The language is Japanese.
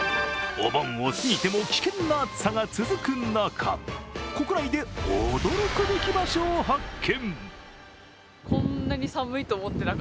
お盆を過ぎても危険な暑さが続く中、国内で、驚くべき場所を発見。